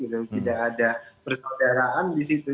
tidak ada persaudaraan disitu